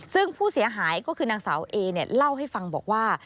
ซึ่งผู้เสียหายก็คือนางสาวเอเนี่ยเล่าให้ฟังบอกว่า